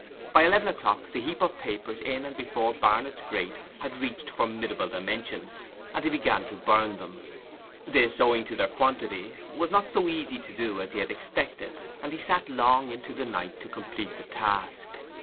By eleven o'clock the heap of papers in and before Barnet's grate had reached formidable dimensions, and he began to burn them. This, owing to their quantity, it was not so easy to do as he had expected, and he sat long into the night to complete the task.